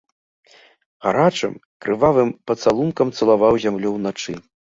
Гарачым крывавым пацалункам цалаваў зямлю ўначы.